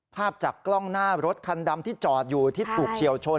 ภาพจากกล้องหน้ารถคันดำที่จอดอยู่ที่ถูกเฉียวชน